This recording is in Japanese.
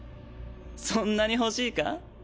そんなに欲しいか？